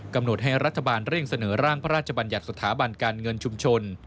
กำหนดให้รัฐบาลเร่งเสนอร่างพระราชบัญญัติสถาบันการเงินชุมชน